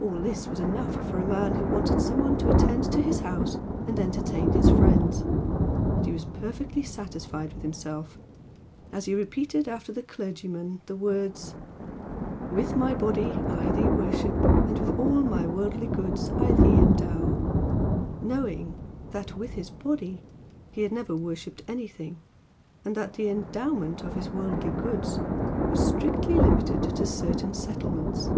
All this was enough for a man who wanted some one to attend to his house and entertain his friends, and he was perfectly satisfied with himself as he repeated after the clergyman the words, "With my body I thee worship, and with all my worldly goods I thee endow," knowing that "with his body" he had never worshipped anything, and that the "endowment" of his worldly goods was strictly limited to certain settlements.